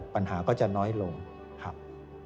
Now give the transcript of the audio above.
ปัญหาก็จะน้อยลงครับ